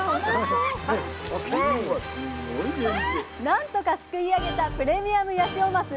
何とかすくい上げたプレミアムヤシオマス！